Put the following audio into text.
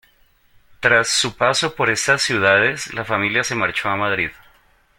Tras su paso por estas ciudades la familia se marchó a Madrid.